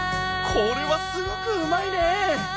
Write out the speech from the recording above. これはすごくうまいね！